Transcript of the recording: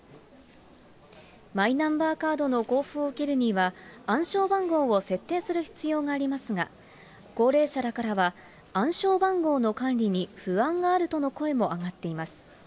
マイナンバーカードの交付を受けるには、暗証番号を設定する必要がありますが、高齢者らからは、暗証番号の管理に不安があるとの声も上がっています。